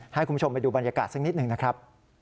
ให้คุณผู้ชมไปดูบรรยากาศสักนิดหนึ่งนะครับ